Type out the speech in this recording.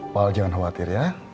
pak al jangan khawatir ya